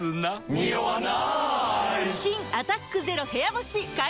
ニオわない！